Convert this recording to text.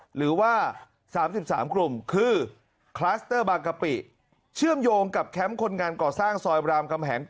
หรือว่า๓๓กลุ่มคือคลัสเตอร์บางกะปิเชื่อมโยงกับแคมป์คนงานก่อสร้างซอยรามกำแหง๘